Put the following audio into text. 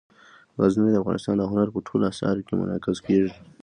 غزني د افغانستان د هنر په ټولو اثارو کې منعکس کېږي.